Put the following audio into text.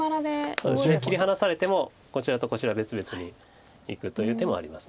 そうですね切り離されてもこちらとこちら別々にいくという手もあります。